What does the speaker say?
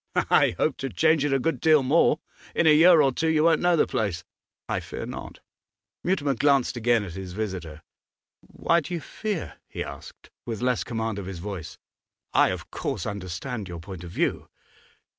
'I hope to change it a good deal more. In a year or two you won't know the place.' 'I fear not.' Mutimer glanced again at his visitor. 'Why do you fear?' he asked, with less command of his voice. 'I of course understand your point of view.